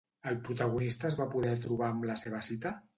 El protagonista es va poder trobar amb la seva cita?